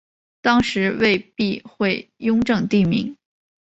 当是为避讳雍正帝名。